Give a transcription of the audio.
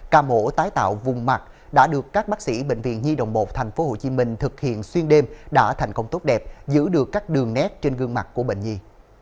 ca mổ tái tạo vùng mặt đã được các bác sĩ bệnh viện nhi đồng một tp hcm thực hiện xuyên đêm đã thành công tốt đẹp giữ được các đường nét trên gương mặt của bệnh nhi